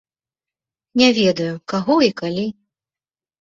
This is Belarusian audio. Не ведаю, каго і калі.